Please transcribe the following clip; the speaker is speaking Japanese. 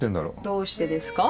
どうしてですか？